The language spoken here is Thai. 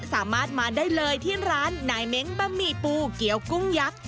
สามารถมาได้เลยที่ร้านนายเม้งบะหมี่ปูเกี้ยวกุ้งยักษ์